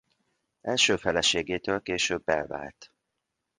Első feleségétől később elvált.